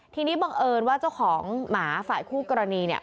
ทีนี้บังเอิญว่าเจ้าของหมาฝ่ายคู่กรณีเนี่ย